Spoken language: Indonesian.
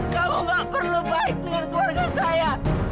kamu gak perlu baik dengan keluarga saya